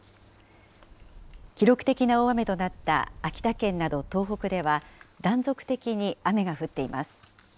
記録的な大雨となった秋田県など東北では、断続的に雨が降っています。